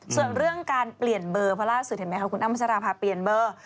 ส่วนเรื่องการเปลี่ยนเบอร์เพราะล่าสุดเห็นไหมคะคุณอ้ำพัชราภาเปลี่ยนเบอร์